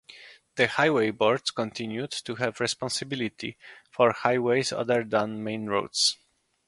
The highway boards continued to have responsibility for highways other than main roads.